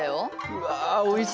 うわおいしそう！